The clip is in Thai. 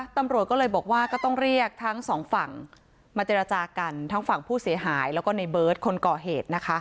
ตำรวจก็เลยบอกว่าก็ต้องเรียกทั้งสองฝั่งมาเจรจากันทั้งฝั่งผู้เสียหายแล้วก็ในเบิร์ตคนก่อเหตุนะคะ